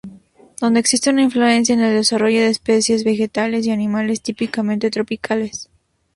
Donde existe una influencia en el desarrollo de especies vegetales y animales típicamente tropicales.